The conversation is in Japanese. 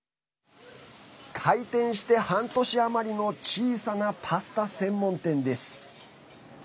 開店して半年余りの小さなパスタ専門店です。